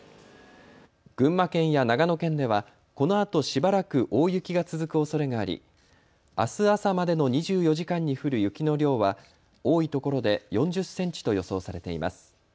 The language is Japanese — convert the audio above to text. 群馬県や長野県ではこのあとしばらく大雪が続くおそれがありあす朝までの２４時間に降る雪の量は多いところで４０センチと予想されています。